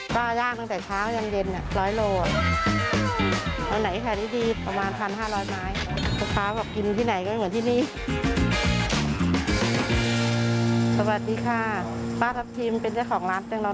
ก่อนนี้เขาเรียกจันรอนแล้ว